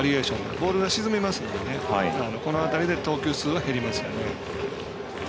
ボールが沈みますのでこの辺りで投球数が減りますよね。